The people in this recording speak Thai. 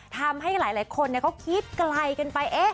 ทำให้หลายคนเขาคิดไกลกันไป